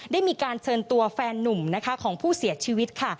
ได้มีการเชิญตัวแฟนนุ่มนะคะของผู้เสียชีวิตค่ะ